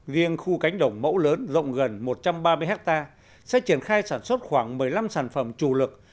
riêng khu cánh đồng mẫu lớn rộng gần một trăm ba mươi hectare sẽ triển khai sản xuất khoảng một mươi năm sản phẩm chủ lực